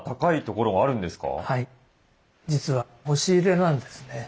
実は押し入れなんですね。